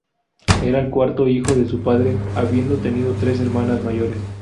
Era el cuarto hijo de su padre, habiendo tenido tres hermanas mayores.